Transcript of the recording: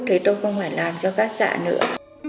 thì tôi không phải làm cho các trại nữa